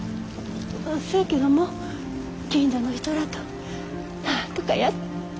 せやけども近所の人らとなんとかや。